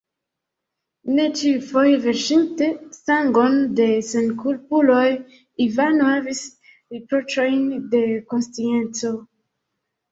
Ne ĉiufoje, verŝinte sangon de senkulpuloj, Ivano havis riproĉojn de konscienco.